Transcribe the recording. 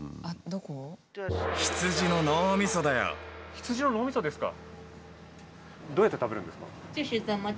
羊の脳みそですか？